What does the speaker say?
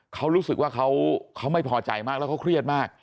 เขารู้สึกว่าเขาไม่พอใจมากแล้วเขาเครียดมาก